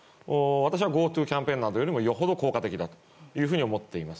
私はＧｏＴｏキャンペーンよりも効果的だと思います。